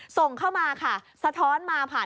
ส่งเข้ามาค่ะสะท้อนมาผ่าน